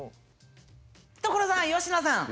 所さん佳乃さん！